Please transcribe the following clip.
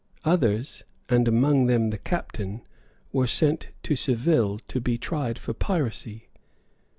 Others, and among them the captain, were sent to Seville to be tried for piracy.